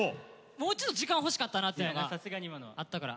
もうちょっと時間欲しかったなっていうのがあったから。